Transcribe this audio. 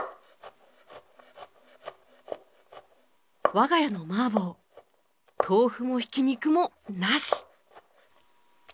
我が家の麻婆豆腐もひき肉もなし！